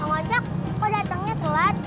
bang ojak kok datangnya telat